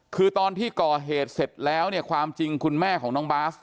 คือตอนที่ก่อเหตุเสร็จแล้วเนี่ยความจริงคุณแม่ของน้องบาส